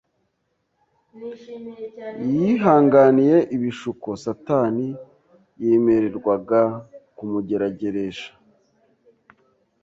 Yihanganiye ibishuko Satani yemererwaga kumugerageresha